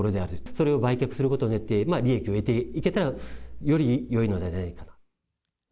それを売却することによって、利益を得ていけたらよりよいのではないかと。